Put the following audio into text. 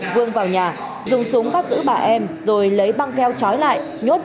vương vào nhà dùng súng bắt giữ bà em rồi lấy băng keo trói lại nhốt